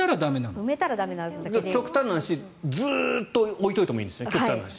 極端な話ずっと置いておいてもいいんですよね。